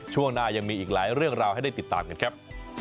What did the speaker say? ช่วงหน้ายังมีอีกหลายเรื่องราวให้ได้ติดตามกันครับ